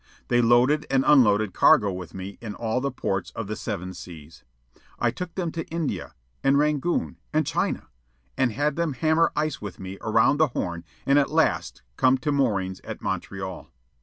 They loaded and unloaded cargo with me in all the ports of the Seven Seas. I took them to India, and Rangoon, and China, and had them hammer ice with me around the Horn and at last come to moorings at Montreal.